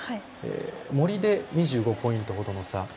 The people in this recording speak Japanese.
森で２５ポイント程の差。